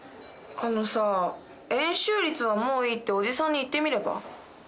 あのさ「円周率はもういい」って叔父さんに言ってみれば？